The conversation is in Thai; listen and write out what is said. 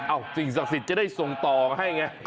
สิ่งศักดิ์สิทธิ์จะได้ส่งต่อให้ไง